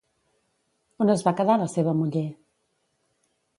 On es va quedar la seva muller?